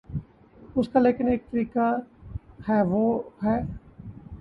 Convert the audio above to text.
اس کا لیکن ایک طریقہ ہے، وہ ہے۔